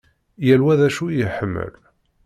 Yal wa d acu i iḥemmel.